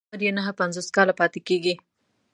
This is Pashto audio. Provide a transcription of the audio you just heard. عمر يې نهه پنځوس کاله پاتې کېږي.